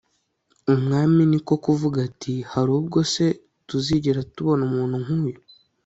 umwami ni ko kuvuga ati hari ubwo se tuzigera tubona umuntu nk'uyu